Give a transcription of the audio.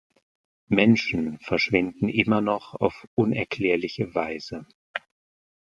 Menschen verschwinden immer noch auf unerklärliche Weise.